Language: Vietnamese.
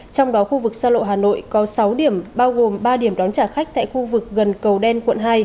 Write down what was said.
trong đó khu vực xa lộ hà nội có sáu điểm bao gồm ba điểm đón trả khách tại khu vực gần cầu đen quận hai